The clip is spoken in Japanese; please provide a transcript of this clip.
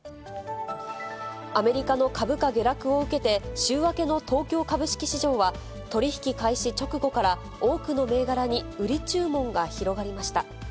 アメリカの株価下落を受けて、週明けの東京株式市場は、取り引き開始直後から、多くの銘柄に売り注文が広がりました。